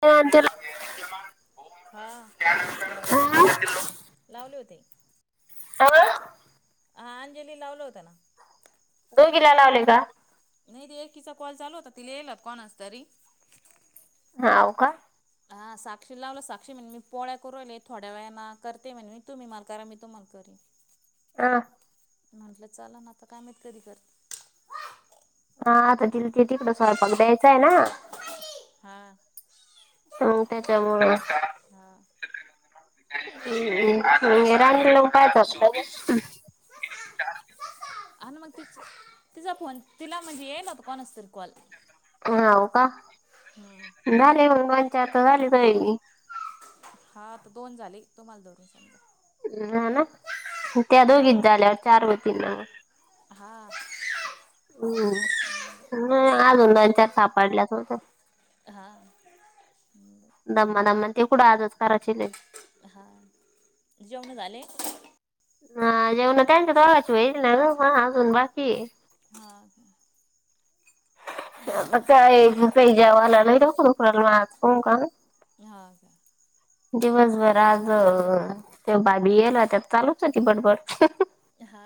ते अंतर [unintelligible] हा लावले ना लावले होते ह [unintelligible] हा अंजली लावल होता ना दो घीला लावले का? नाही ते एकीचा कॉल चालू होता, तिलयेल होता कोणाचां तरी हा हो का! हा साक्षी लावलं, साक्षी म्हण मी पोळ्या करू राहले थोड्या वेळा ना करते म्हण मी, तुम्ही माल करा मी तुम्हाला करते. [inaudible] अ! म्हटलं चाला ना आता काय माहीत कधी कर हा आता तिल ते तिकडं स्वयंपाक द्यायचाय ना हा! तम त्याच्या मुळे हा हं [unintelligible] रान केलं पाहत अस आणि मग ति तिचा फोन तिला म्हणजे येईल तर कोण असतील कॉल [unintelligible] अ हो का हम्म झाले मग मंचता झाली तुहणी हा त दोन झाले तुम्हाला धरून सांगजा हाना, म त्या हा दोगीत त झाल्याव चार होतीना हा! हम्म अजून दोन चार सापडल्याच होत्या हा दममा दममा ते कुडं आजच करायची नाही जेवून आले हा जेवणा त्यांच्या दोघाची वेल ना ना ह अजून बाकी ह का आ का काही जवाला नाही रकड खल म कोण का ह का दिवसभर आज ते बाबी गल त्यात चालूच होती बडबट हा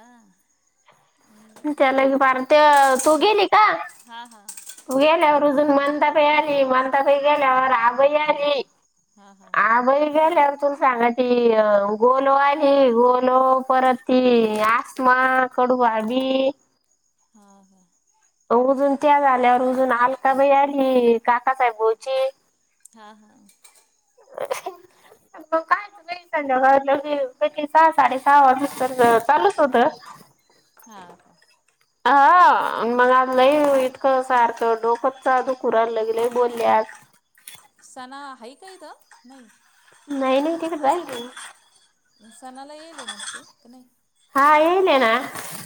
त्याला क बार ते तू गेली का हा हा हा हा तू गेल्यावर रुजून म्हणताप आली म्हणतापही गेल्यावर रागई आली का आ बई गले त सांगा ती गोलो आली गोलो परत ती आसमा कडू बी [unintelligible] [unintelligible] हा, हा! मग काय त संजाकालं की पली सहा साडे सहा वर तर चालूच होत हा का हा मग नाही इतकं सारखं डोकचजू दुकान राहील लय बोलल् आज सणा आहे काय इथ नाही नाही नाही टिकीट बाहिली सणाला येले ना ते क नाही हा येई लेना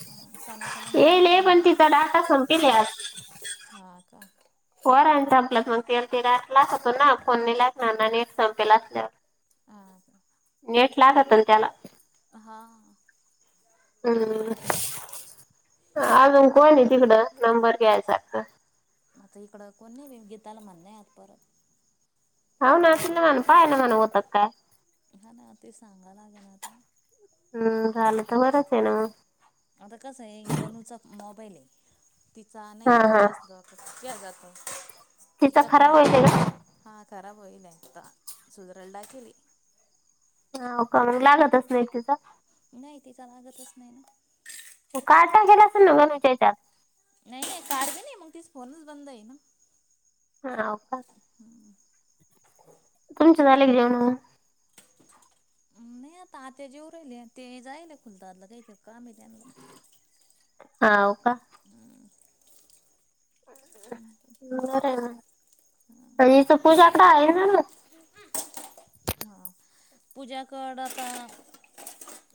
हां सणाचा नंबर येल नाही पण तिचा डाटा सं केले हां का होर संपलात मग ते त रा ला होतो ना फोनने लागणार ना नेट संपेल असल्यावर हा का नेट लागात त्याला हा हम् अजुन कोण आहेत तिकडं नंबर घ्यायचारख इकड कोणी गीताला मना आत्प हो ना तल म्हण पय ना मन ओत का [unintelligible] हम्म झाले तर बरच आहे ना म आता कसं आहे गणूचा मोबाईल आहे तिचा हा नाही हा तिचाच जात [inaudible] तिचा खराब होईल का [inaudible] खराब होले आता सुदरळडा केली [inaudible] ह का मग लागतच नाही तिचं नाही तिचा लागतच नाही ना कायता गेलं असेल ना ग तुच्याच्या नाही नाही कार बी नाही मग तिच फोनच बंद आहे न हा का तुमच झाले क जेवण नाही आता आत जेव राहिले ते जायल खुलत आातलं काच काम त्यांना. हा का बर तरी सुपूषकड आहे ना हा पूजा कड आत्ता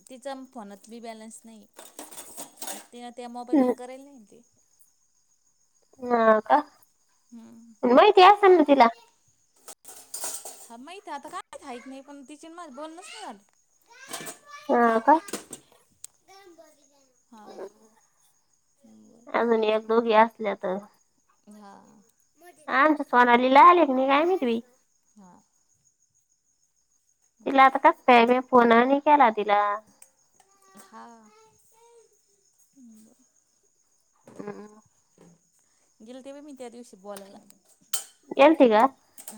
तिचा फोनात बी बॅलन्स नाही त्या त्या हम्म, मोबाईलवर केला नाही ते ह का! हम्म. माहिती यास अन तिला. ह माहीत आता काय यित नाही पण टिचन मच बोलनस ना! हा का! [unintelligible] बर. अजून एक दोघी असल्या तर, हा, आमच सोनालीला आले क नाही काय मी तुही [inaudible] हा तिला आता कस काय मी फोन केला तिला, हा [inaudible] हम्! गेल ते व मी त्या दिवशी बोलायला. गेलते का?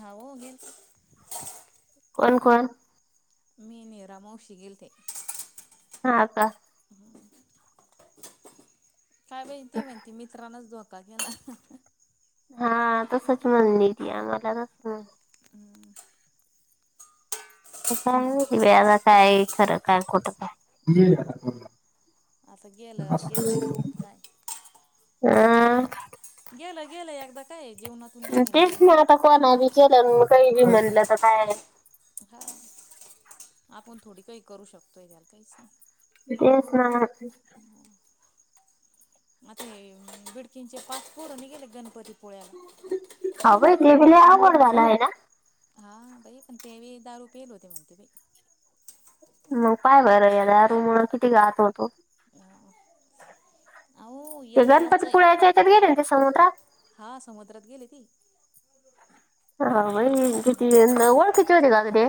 [unintelligible] कोण, कोण, मी नेवरा मावशी गेल ते, हा का काय बहिजे ती माहिती मित्रांनाच धोका दिला. हा तसच म्हण आम्हाला. [unintelligible] खरं काय खोटं काय. हो आता गेलं गेलं आता काय. अं, गेलं गेलं एकदा काय, जीवनातून निघून तेच मग गेल्यावर आता कोणा बी केलं म काही बी म्हणलं तर काय, हा आपण थोडी काही करू शकतोय त्या्याला काहीच नाही. तेच ना [unintelligible] ह बाई ते भी लय अवघड झाला आहे ना! हा बाई पण तेवे दारू पेल होते म्हणते बाई, मग पाय बरं या रूमण किती गात होतो, हा अहो ते एक याच आहे गणपतीपुळ्याच्या याच्यात गेले ते समुद्रात? हा समुद्रात गेली ती, हा वई खिती ओळची होते का ग ते?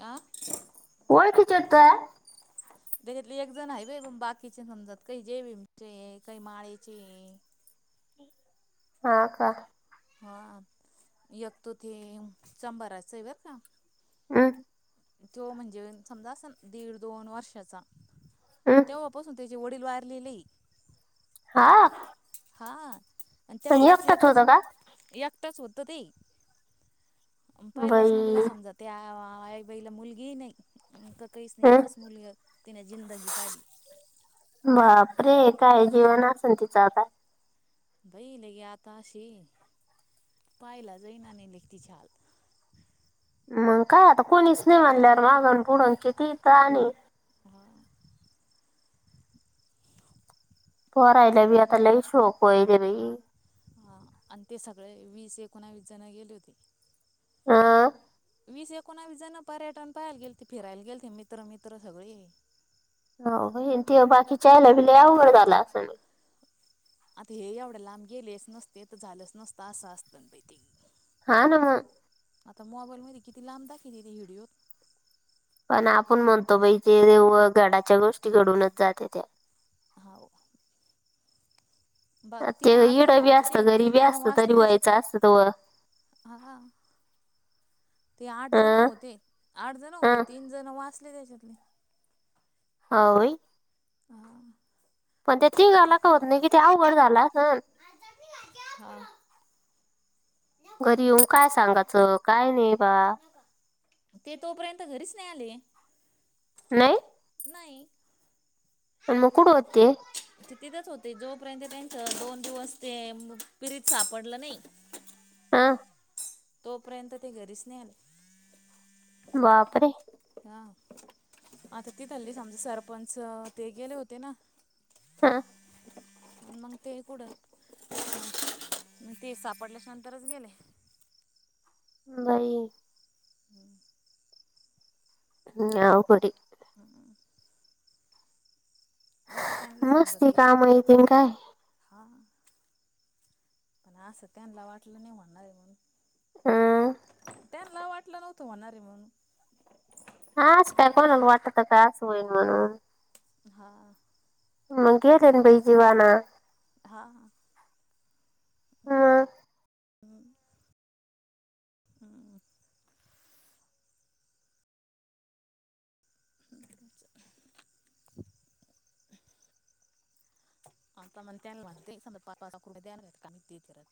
आ कोय खिचतो आहे. त्याच्यातले एक जण आहे ब बाकीचे समजात काही जेवीमचे काही माळेचे, हा का! हा यग तो ते संबार सैबर का. हम! तो म्हणजे समजा अस दीड दोन वर्षाचा हम्म तेव्हापासून ते म्हे ओडील वारलेले, हा! हा आणि पण तेवढाच एकटाच होत एकच का एकटंच होतं ते, पहिलाच बाई मुलगा समजत आईबाईला मुलगी नाही, ककळीसनी हं अकास मुल्य तिने जिंदगी काढली, ररे काय जीवण असं तिचं काय, भाई लगे आताशी, पायला जाैन आणि लेखते खल मग काय आता कोणीच नाही म्हणल्यावर मागण पुडून किती ताण आहे. ह परायला भ आता ल शोक वय ते रई. हां आणि ते सगळे वीस एकोणावीस जण गेले होती. हा आ. वीस एकोणावीस जण पर्यटन पाहायला गेलते, फिरायला गेल ते मित्र मित्र सगळे. हो, बाय न ते बाकीच्या आल्याबिल्याव लय अवघड झाला असलं बाई. आता हे एवढं लांब गेलेच नसते, तर झालंच नसत असं असतंय बाई ते. हा न्हव आता मोबाईलमध्ये किती लांब देखीले ते विडिओ. पण आपण म्हणतो बई ते व घडाच्या गोष्टी घडूनच जातेत्या. हाव. बा ती ते आठ इड जण बी होते असत ते तीन घरीबी जण असत वाचले तरी त्याच्यातले व्हायचं असत ते व. हा. ते आठ जण हं होते. आठ जण होते, हं तीन जण वाचले त्याच्यातले. हाव बई. [inaudible] पण ते तीगाला का होत नाही कि ते अवघड झाल आसन. हा. घरी येऊ काय सांगाच, का नई बा. ते तोपर्यंत घरीच नाही आले. नाही! नाही. आन म कुड होते? तिथेच होते. जोपर्यंत त्यांच दोन दिवस ते पिरीत सापडलं नई हा. तोपर्यंत ते घरीच नई आले. बापरे! हा. आता ती थल्ली सम सरपंच ते गेले होते ना. हा. मग ते कुड ती सापडल्याच्या नंतरच गेले. बई. [unintelligible] नाव पडी [unintelligible] आता त्यांना समजा नुसती ती कामं हायती नी काय? हा पण असं त्यांना वाटलं नाही, म्हणणार आहे म्हणून आ त्यांना वाटलं नव्हतं होणारे म्हणून. हां असं काय कोणाला वाटत काय, असं होईल म्हणून. हा. म गेलेले बाई, जीवाना. हा. हा. हम, ह. [unintelligible] आता म्हणत्यान [unintelligible] विचारालती.